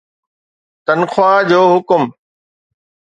تنخواه جو حڪم